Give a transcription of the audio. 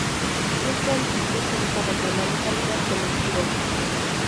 Junto al dique se desarrolló la localidad de Los Quiroga.